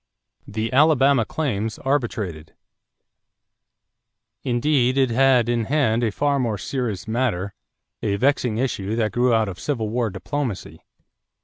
=The Alabama Claims Arbitrated.= Indeed, it had in hand a far more serious matter, a vexing issue that grew out of Civil War diplomacy.